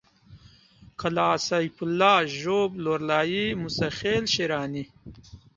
قلعه سيف الله ژوب لورلايي موسی خېل شېراني